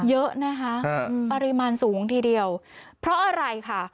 เยอะนะคะปริมาณสูงทีเดียวเพราะอะไรค่ะ